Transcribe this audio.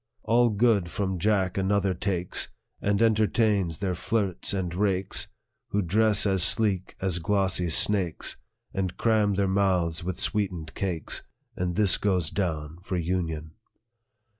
" All good from Jack another takes, And entertains their flirts and rakes, Who dress as sleek as glossy snakes, And cram their mouths with sweetened cakes ; And this goes down for union."